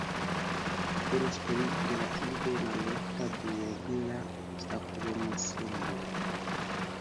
Temas pri relative malofta duobla statuensemblo.